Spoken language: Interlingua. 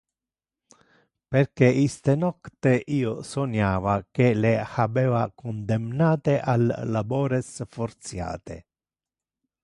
Perque iste nocte io soniava que le habeva condemnate al labores fortiate.